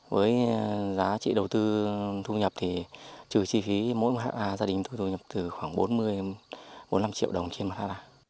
với giá trị đầu tư thu nhập thì trừ chi phí mỗi ha gia đình tôi thu nhập từ khoảng bốn mươi bốn mươi năm triệu đồng trên một ha